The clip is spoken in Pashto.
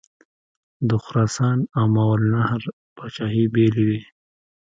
د خراسان او ماوراءالنهر پاچهي بېلې وې.